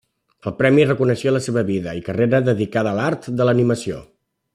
El premi reconeixia la seva vida i carrera dedicada a l'art de l'animació.